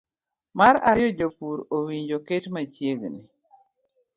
Mar ariyo jopur owinjo oket machiegni